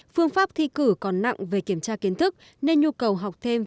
phương pháp thi cử còn nặng về kiểm tra kiến thức nên nhu cầu học thêm